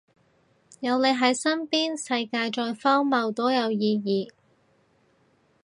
有你喺身邊，世界再荒謬都有意義